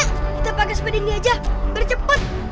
kita pake sepeda ini aja berceput